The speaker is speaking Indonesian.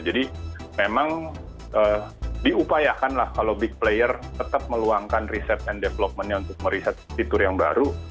jadi memang diupayakan lah kalau big player tetap meluangkan research and developmentnya untuk mereset fitur yang baru